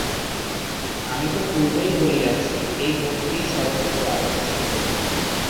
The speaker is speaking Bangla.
আমি তো পূর্বেই বলিয়াছি, এই ভক্তিই সর্বোচ্চ আদর্শ।